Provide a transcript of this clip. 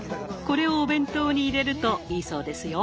これをお弁当に入れるといいそうですよ。